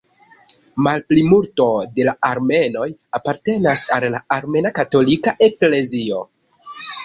Malplimulto de la armenoj apartenas al la Armena Katolika Eklezio.